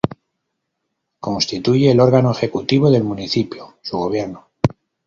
Constituye el órgano ejecutivo del municipio, su gobierno.